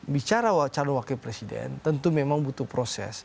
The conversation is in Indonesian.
bicara calon wakil presiden tentu memang butuh proses